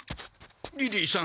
リリーさん